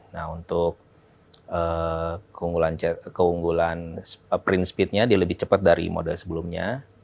nah untuk keunggulan print speednya dia lebih cepat dari model sebelumnya